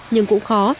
nhưng cũng khó